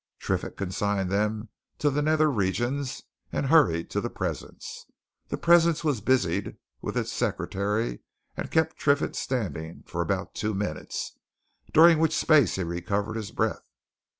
Triffitt consigned them to the nether regions and hurried to the presence. The presence was busied with its secretary and kept Triffitt standing for two minutes, during which space he recovered his breath.